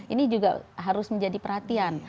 ini juga harus menjadi perhatian